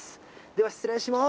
では、失礼します。